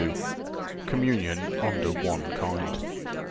COMMUNION UNDER ONE KIND.